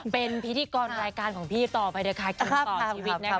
เป็นพิธีกรรายการของพี่ต่อไปด้วยค่ะกินต่อชีวิตนะครับ